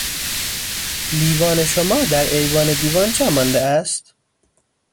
لیوان شما در ایوان دیوان جا مانده است